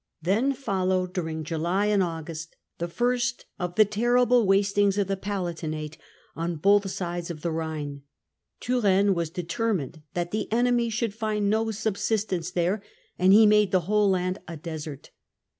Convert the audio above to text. Then followed, during July and August, the first of the terrible ' wastings' of the Palatin^jc on both sides of the Rhine. Turenne was determined that the enemy should find no subsistence there, and he made the whole land a desert.